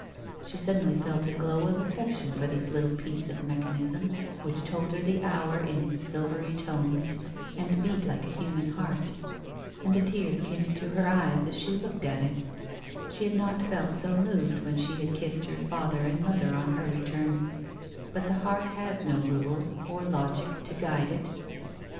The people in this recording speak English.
She suddenly felt a glow of affection for this little piece of mechanism, which told her the hour in its silvery tones, and beat like a human heart, and the tears came into her eyes as she looked at it ; she had not felt so moved when she had kissed her father and mother on her return, but the heart has no rules, or logic, to guide it.